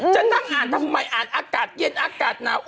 จะนั่งอ่านทำไมอ่านอากาศเย็นอากาศหนาว